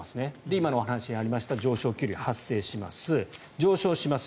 今のお話にありました上昇気流が発生します上昇します。